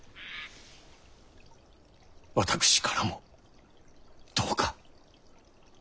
私からもどうか。